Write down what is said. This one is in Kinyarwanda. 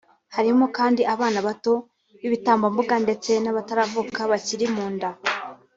harimo kandi abana bato b’ibitambambuga ndetse n’abataravuka bakiri mu nda